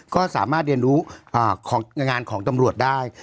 ก็สามารถเรียนรู้ของงานของตำรวจได้